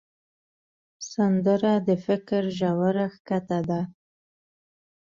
سندره د فکر ژوره ښکته ده